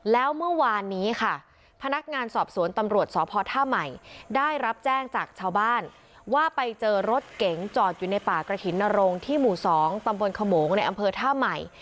แล้วเมื่อวานนี้ค่ะพนักงานสอบสวนตำรวจสพท่าใหม่ได้รับแจ้งจากชาวบ้านว่าไปเจอรถเก๋งจอดอยู่ในป่ากระถิ่นนรงที่หมู่๒ตำบลขโมงในอำเภอท่าใหม่